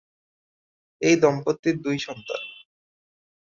এই দম্পতির দুই সন্তান।